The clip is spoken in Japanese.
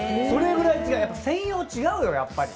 それぐらい違う、やっぱり専用は違うよ。